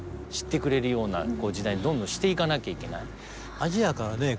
アジアからね